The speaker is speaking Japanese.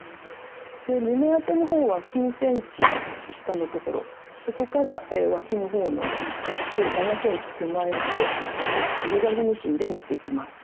で胸当てのほうは９ｃｍ下のところそこからわきのほうに向かって７ｃｍ手前までジグザグミシンで縫っていきます。